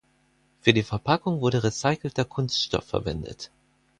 Für die Verpackung wurde recycelter Kunststoff verwendet.